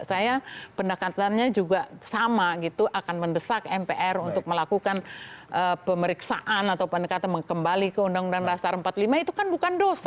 saya pendekatannya juga sama gitu akan mendesak mpr untuk melakukan pemeriksaan atau pendekatan kembali ke undang undang dasar empat puluh lima itu kan bukan dosa